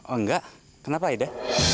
oh enggak kenapa aida